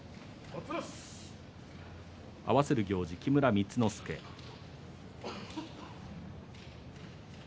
合わせる行司は木村光之助です。